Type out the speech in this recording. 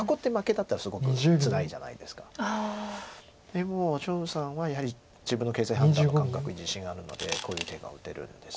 でも張栩さんはやはり自分の形勢判断の感覚に自信あるのでこういう手が打てるんです。